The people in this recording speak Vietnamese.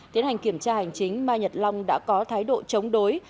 tiến hành kiểm tra hành chính mai nhật long đã có thái độ chống đối